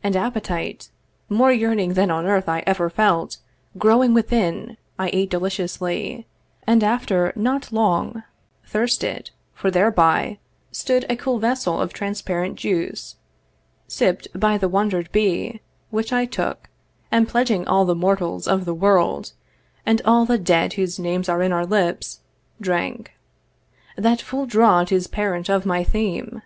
And appetite More yearning than on earth I ever felt Growing within, I ate deliciously; And, after not long, thirsted, for thereby Stood a cool vessel of transparent juice Sipp'd by the wander'd bee, the which I took, And, pledging all the mortals of the world, And all the dead whose names are in our lips, Drank. That full draught is parent of my theme.